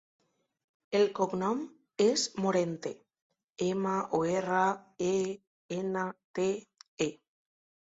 El cognom és Morente: ema, o, erra, e, ena, te, e.